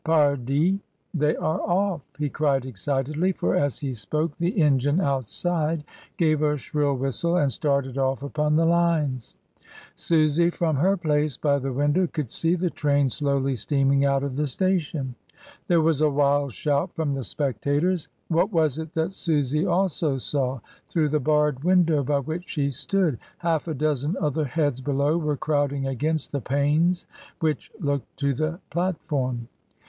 Pardt, they are off!" he cried excitedly, for as he spoke the engine outside gave a shrill whistle and started off upon the lines. Susy, from her place by the window, could see the train slowly steaming out of the sta tion. There was a wild shout from the spectators. What was it that Susy also saw through the barred window by which she stood (half a dozen other heads below were crowding against the panes which looked to the platform)?